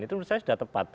itu menurut saya sudah tepat